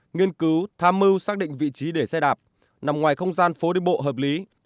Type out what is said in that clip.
nghiên cứu tham mưu xác định vị trí để xe đạp nằm ngoài không gian phố đi bộ hợp lý